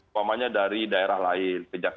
apalagi dari daerah lain